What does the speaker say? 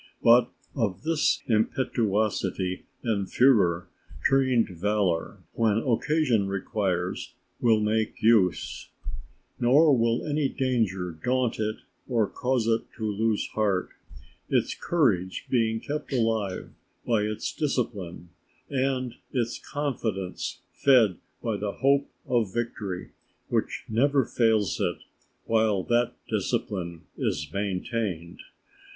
But of this impetuosity and fury, trained valour, when occasion requires, will make use; nor will any danger daunt it or cause it to lose heart, its courage being kept alive by its discipline, and its confidence fed by the hope of victory which never fails it while that discipline is maintained.